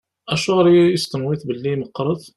Acuɣer i as-tenwiḍ belli meqqṛet?